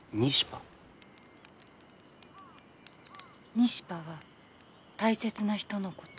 「ニシパ」は大切な人のこと。